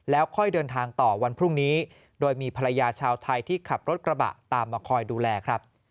แล้วค่อยเดินทางต่อวันพรุ่งนี้โดยมีภรรยาชาวไทยที่ขับรถกระบะตามมาคอยดูแลครับ